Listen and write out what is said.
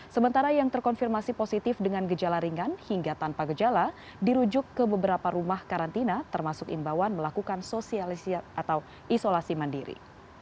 sementara yang terkonfirmasi positif dengan gejala ringan hingga tanpa gejala dirujuk ke beberapa rumah karantina termasuk imbauan melakukan sosialisasi atau isolasi mandiri